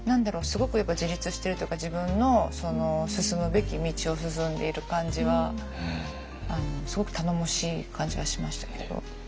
すごくやっぱ自立してるというか自分の進むべき道を進んでいる感じはすごく頼もしい感じはしましたけど。